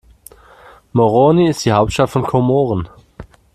Moroni ist die Hauptstadt von Komoren.